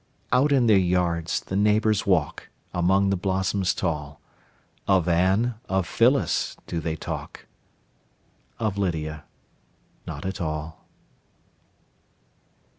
Out in their yards the neighbors walk, Among the blossoms tall; Of Anne, of Phyllis, do they talk, Of Lydia not at all.